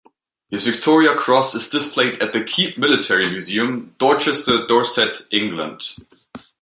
His Victoria Cross is displayed at The Keep Military Museum, Dorchester, Dorset, England.